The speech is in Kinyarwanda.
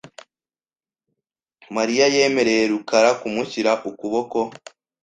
Mariya yemereye rukara kumushyira ukuboko .